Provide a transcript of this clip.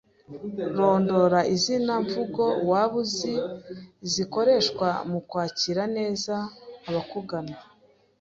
Rondora izini mvugo waba uzi zikoreshwa mu kwakira neza abakugana.